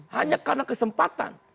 hanya karena kesempatan